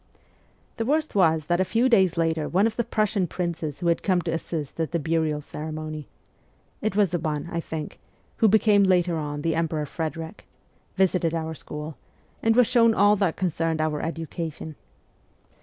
The worst was that a few days later one of the Prussian princes who had come to assist at the burial ceremony (it was the one, I think, who became later on the Emperor Frederick) visited our school, and was shown all that THE CORPS OF PAGES 131 concerned our education.